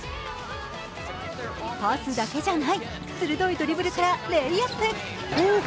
パスだけじゃない、鋭いドリブルからレイアップ。